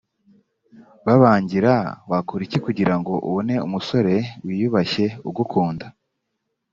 babangira wakora iki kugira ngo ubone umusore wiyubashye ugukunda